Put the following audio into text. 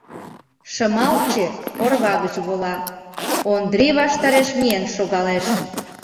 Шымалче орва гыч вола, Ондрий ваштареш миен шогалеш.